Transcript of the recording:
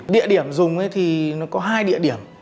địa điểm dùng thì có hai địa điểm